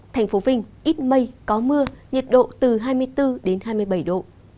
thành phố vinh ít mây có mưa nhiệt độ từ hai mươi bốn đến hai mươi bảy độ